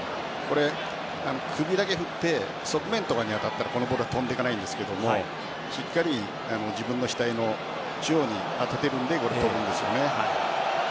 首だけ振って側面とかに当たったらこのボールは飛んでいかないんですがしっかり自分の額の中央に当てているんで飛ぶんですね。